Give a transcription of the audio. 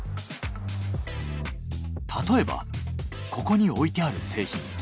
例えばここに置いてある製品。